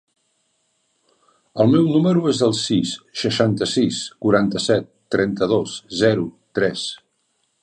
El meu número es el sis, seixanta-sis, quaranta-set, trenta-dos, zero, tres.